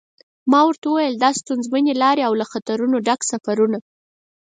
ما ورته و ویل دا ستونزمنې لارې او له خطرونو ډک سفرونه.